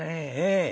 ええ。